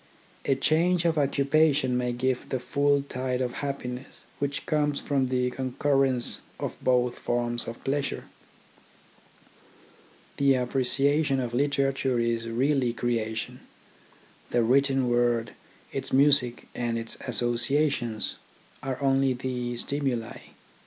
A change of occupation may give the full tide of happiness which comes from the concurrence of both forms of pleasure. The appreciation of literature is really creation. The written word, its music, and its associations, are only the stimuli.